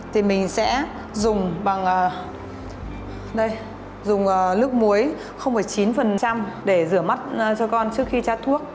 thì mình sẽ dùng bằng đây dùng nước muối chín để rửa mắt cho con trước khi cha thuốc